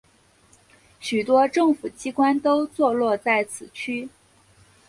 许多政府机关都座落在此区。